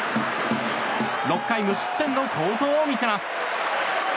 ６回無失点の好投を見せます。